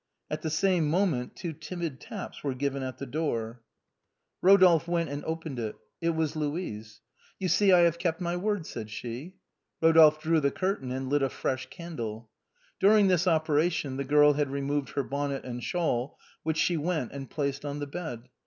At the same moment two timid taps were given at the door. Eodolphe went and opened it. It was Louise. " You see I have kept my word," said she. 52 THE BOHEMIANS OF THE LATIN QUARTER. Rodolphe drew the curtain and lit a fresh candle. During this operation the girl had removed her bonnet and shawl, which she went and placed on the bed.